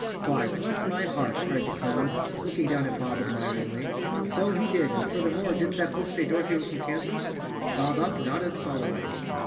"Why, bless my heart!" cried the clown, looking down at Bob admiringly, "so he did, and furthermore, didn't that book say Dorothy was from Kansas?" Bob Up nodded solemnly.